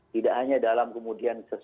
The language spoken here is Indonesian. tidak hanya dalam kemudian